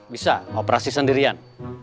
bisa operasi sendirian